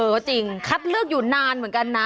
จริงคัดเลือกอยู่นานเหมือนกันนะ